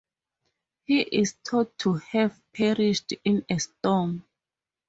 He is thought to have perished in a storm.